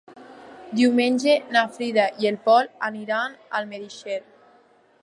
Diumenge na Frida i en Pol aniran a Almedíxer.